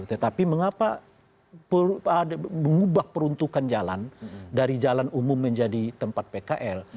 tetapi mengapa mengubah peruntukan jalan dari jalan umum menjadi tempat pkl